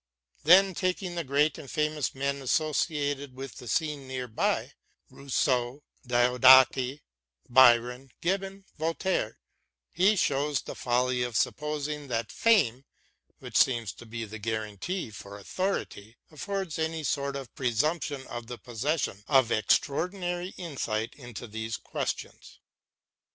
Then, taking the great and famous men associated with the scene near by — Rousseau, Diodati, Byron, Gibbon, Voltaire — he shows the folly of supposing that fame, which seems to be the guarantee for authority, affords any sort of presumption of the possession of extraordinary insight into these questions.